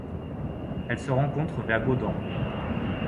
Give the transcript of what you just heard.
Elle se rencontre vers Gaudan.